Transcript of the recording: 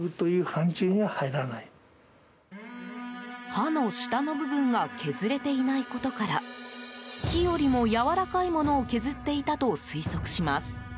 刃の下の部分が削れていないことから木よりもやわらかいものを削っていたと推測します。